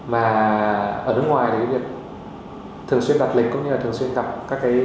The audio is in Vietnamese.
mà ở nước ngoài thì thường xuyên gặp lịch cũng như là thường xuyên gặp các cái